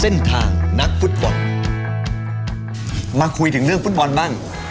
มาคุยถึงเรื่องฟุตบอลบ้าง